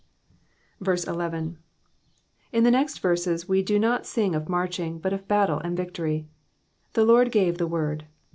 11. In the next verse we do not sing of marching, but of battle and victory. ^^The Ijord gave the word.'''